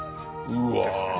うわ。